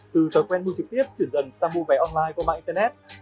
từ thói quen mua trực tiếp chuyển dần sang mua vé online qua mạng internet